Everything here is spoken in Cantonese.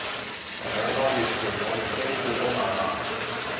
兩個月前我連機票都買埋